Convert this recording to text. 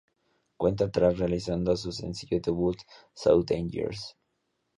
Cuenta atrás, realizando su sencillo debut "So, Dangerous".